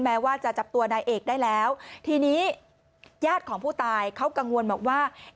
ว่าจะจับตัวนายเอกได้แล้วทีนี้ญาติของผู้ตายเขากังวลบอกว่า